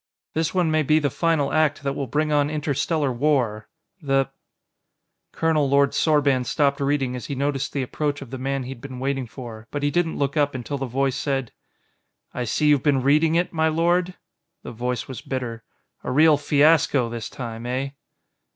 This one may be the final act that will bring on interstellar war. The ...Colonel Lord Sorban stopped reading as he noticed the approach of the man he'd been waiting for, but he didn't look up until the voice said: "I see you've been reading it, my lord." The voice was bitter. "A real fiasco this time, eh?"